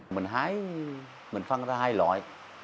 mình hái mình phân ra hai loại